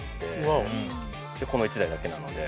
この１台だけなので。